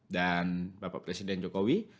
dan bapak presiden jokowi